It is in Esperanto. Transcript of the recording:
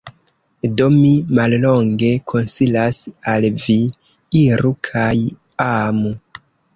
Do mi, mallonge, konsilas al Vi: Iru kaj amu!